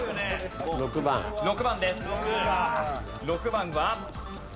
６番は。